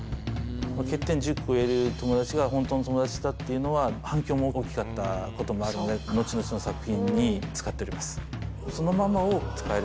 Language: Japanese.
欠点１０個言える友達が本当の友達だっていうのは、反響も大きかったこともあるので、後々の作品に使っております。